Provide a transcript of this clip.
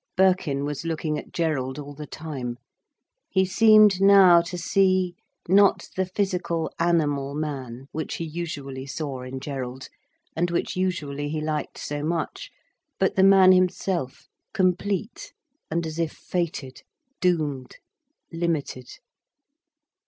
Birkin was looking at Gerald all the time. He seemed now to see, not the physical, animal man, which he usually saw in Gerald, and which usually he liked so much, but the man himself, complete, and as if fated, doomed, limited.